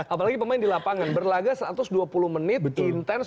apalagi pemain di lapangan berlaga satu ratus dua puluh menit intens